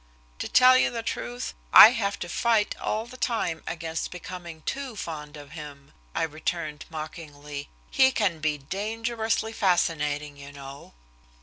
"To tell you the truth, I have to fight all the time against becoming too fond of him," I returned mockingly. "He can be dangerously fascinating, you know."